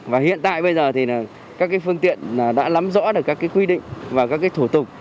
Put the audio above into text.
và hiện tại bây giờ thì các phương tiện đã lắm rõ được các quy định và các thủ tục